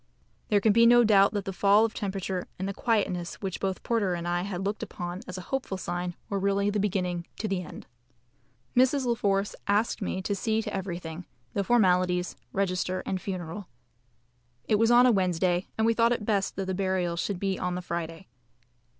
There can be no doubt that the fall of temperature and the quietness which both Porter and I had looked upon as a hopeful sign, were really the beginning to the end. Mrs. La Force asked me to see to everything, the formalities, register, and funeral. It was on a Wednesday, and we thought it best that the burial should be on the Friday.